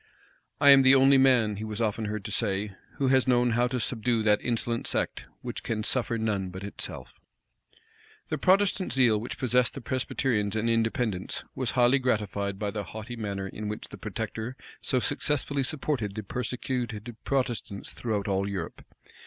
"I am the only man," he was often heard to say, "who has known how to subdue that insolent sect, which can suffer none but itself." The Protestant zeal which possessed the Presbyterians and Independents, was highly gratified by the haughty manner in which the protector so successfully supported the persecuted Protestants throughout all Europe.